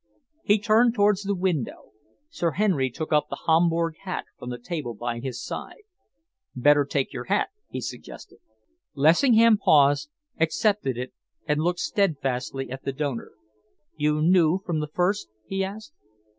He turned towards the window. Sir Henry took up the Homburg hat from the table by his side. "Better take your hat," he suggested. Lessingham paused, accepted it, and looked steadfastly at the donor. "You knew from the first?" he asked.